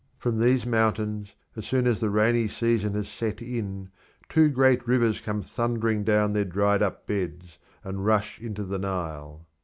From these mountains, as soon as the rainy season has set in, two great rivers come thundering down their dried up beds, and rush into the Nile.